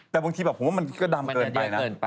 แต่บางทีแบบผมว่ามันก็ดำเกินไปนะ